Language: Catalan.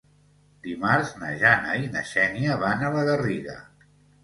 Dimarts na Jana i na Xènia van a la Garriga.